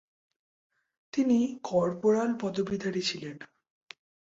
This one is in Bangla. তিনি কর্পোরাল পদবীধারী ছিলেন।